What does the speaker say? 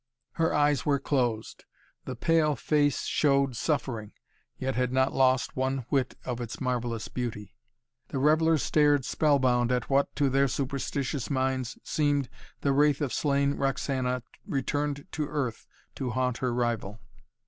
Her eyes were closed. The pale face showed suffering, yet had not lost one whit of its marvellous beauty. The revellers stared spellbound at what, to their superstitious minds, seemed the wraith of slain Roxana returned to earth to haunt her rival.